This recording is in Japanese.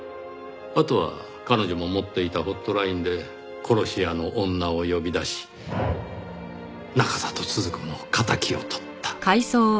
あとは彼女も持っていたホットラインで殺し屋の女を呼び出し中郷都々子の敵をとった。